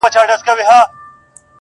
• چي دي واچوي قاضي غاړي ته پړی -